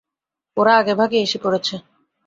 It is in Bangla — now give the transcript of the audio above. ওরা আগেভাগে এসে পড়েছে।